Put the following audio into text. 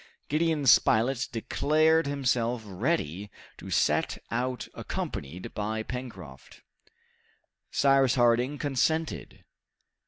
Gideon Spilett declared himself ready to set out accompanied by Pencroft. Cyrus Harding consented.